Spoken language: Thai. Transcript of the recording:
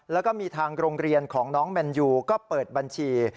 แล้วก็มีทางโรงเรียนของน้องแมนยูก็เปิดบัญชี